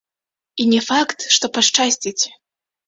І не факт, што пашчасціць.